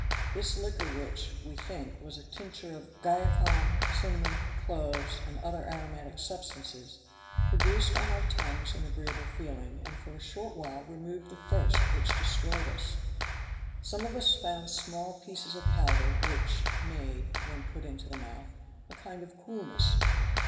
This liquor which, we think, was a tincture of guiacum, cinnamon, cloves, and other aromatic substances, produced on our tongues an agreeable feeling, and for a short while removed the thirst which destroyed us. Some of us found some small pieces of powder, which made, when put into the mouth, a kind of coolness.